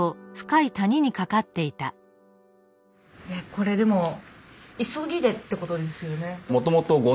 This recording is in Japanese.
これでも急ぎでってことですよね？